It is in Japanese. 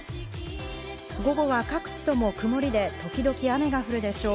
午後は各地とも曇りで時々雨が降るでしょう。